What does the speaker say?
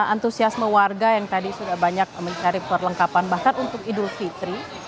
antusiasme warga yang tadi sudah banyak mencari perlengkapan bahkan untuk idul fitri